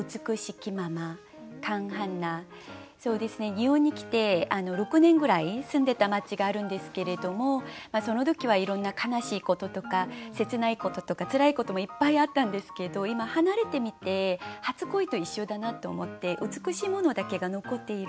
日本に来て６年ぐらい住んでた街があるんですけれどもその時はいろんな悲しいこととか切ないこととかつらいこともいっぱいあったんですけど今離れてみて初恋と一緒だなと思って美しいものだけが残っている。